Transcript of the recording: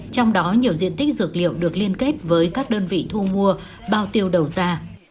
trong đó nhiều diện tích dược liệu được liên kết với các đơn vị thu mua bao tiêu đầu ra